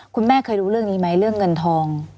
คุณแม่เคยรู้เรื่องนี้ไหมเรื่องเงินทอง